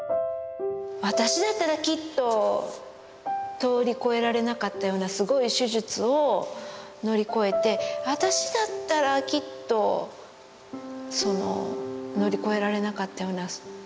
私だったらきっと通りこえられなかったようなすごい手術を乗り越えて私だったらきっとその乗り越えられなかったような。